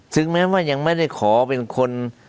ถึงแม้ว่ายังไม่ได้ขอเป็นคน